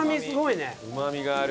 うまみがある？